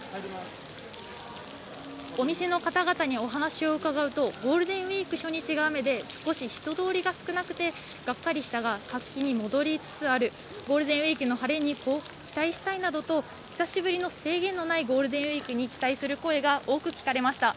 お店の方々にお話を伺うと、ゴールデンウィーク初日が雨で、少し人通りが少なくてがっかりしたが、活気が戻りつつあるゴールデンウィークの晴れに期待したいなどと、久しぶりの制限のないゴールデンウィークに期待する声が多く聞かれました。